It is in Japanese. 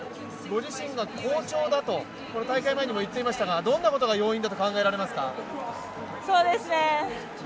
ご自身が好調だと大会前にも言っていましたがどんなことが要因だと考えられますか？